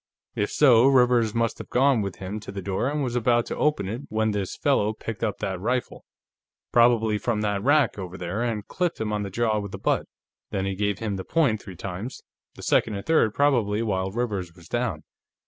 If so, Rivers must have gone with him to the door and was about to open it when this fellow picked up that rifle, probably from that rack, over there, and clipped him on the jaw with the butt. Then he gave him the point three times, the second and third probably while Rivers was down.